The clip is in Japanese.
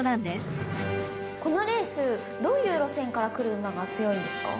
このレースどういう路線からくる馬が強いんですか？